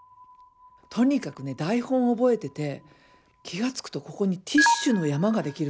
とにかくね台本覚えてて気が付くとここにティッシュの山ができるんですよ。